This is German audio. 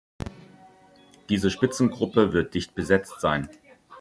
Diese Spitzengruppe wird dicht besetzt sein.